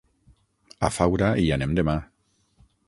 A Faura hi anem demà.